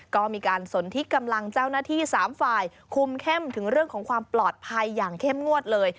ก็มีการสนที่กำลังเจ้าหน้าที่๓ฝ่ายคุมเข้มถึงเรื่องของความปลอดภัยอย่างเข้มงวดเลย